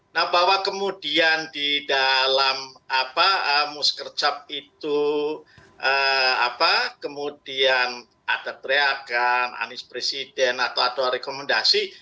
nah bahwa kemudian di dalam muskercap itu kemudian ada teriakan anies presiden atau ada rekomendasi